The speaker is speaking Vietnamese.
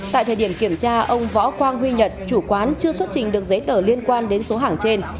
tại thời điểm kiểm tra ông võ quang huy nhật chủ quán chưa xuất trình được giấy tờ liên quan đến số hàng trên